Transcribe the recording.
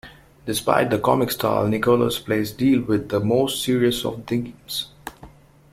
Despite the comic style, Nichols' plays deal with the most serious of themes.